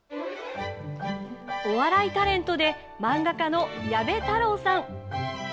お笑いタレントで漫画家の矢部太郎さん。